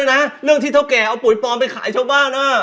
ตัวดีเอาไว้ที่หลังก่อน